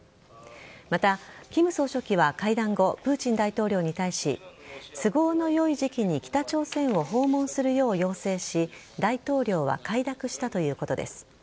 また、金総書記は会談後プーチン大統領に対し都合の良い時期に北朝鮮を訪問するよう要請し大統領は快諾したということです。